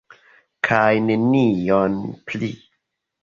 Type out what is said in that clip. Kaj nenion pli.